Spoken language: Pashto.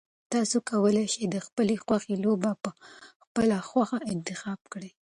تاسو کولای شئ چې د خپلې خوښې لوبه په خپله خوښه انتخاب کړئ.